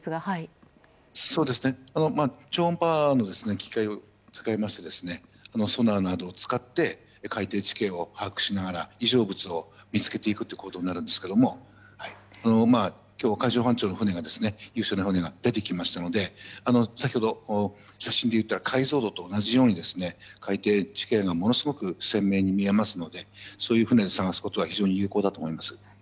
超音波の機械を使いましてソナーなどを使って海底地形を把握しながら異常物を見つけていくということになるんですけど今日、海上保安庁の優秀な船が出てきましたので先ほどの写真でいったら解像度と同じように海底地形がものすごく鮮明に見えますのでそういう船で探すことは非常に有効だと思います。